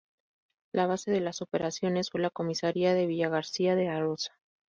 La base de las operaciones fue la comisaría de Villagarcía de Arosa.